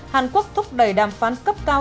hàn quốc thúc đẩy đàm phán cấp cao